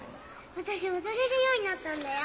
私踊れるようになったんだよ。